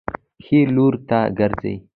ښي لوري ته ګرځئ